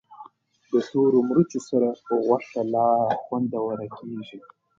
د تورو مرچو سره غوښه لا خوندوره کېږي.